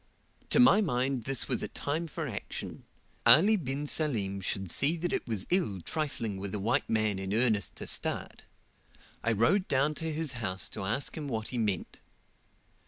"' To my mind this was a time for action: Ali bin Salim should see that it was ill trifling with a white man in earnest to start. I rode down to his house to ask him what he meant.